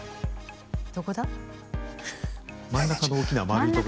どこだ？